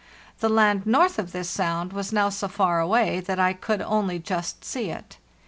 The land north of this sound was now so far away that I could only just see it.